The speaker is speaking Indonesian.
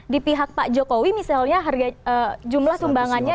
di pihak pak jokowi misalnya jumlah sumbangannya